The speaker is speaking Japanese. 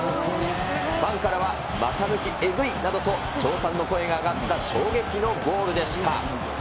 ファンからは、股抜きえぐいなどと、称賛の声が上がった衝撃のゴールでした。